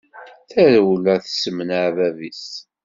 Tarewla tessemnaɛ baba-is.